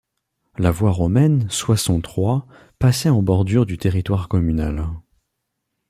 La voie romaine Soissons - Troyes passait en bordure du territoire communal.